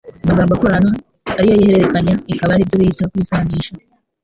amagambo akorana arayihererekanya ikaba ari byo bita kwisanisha.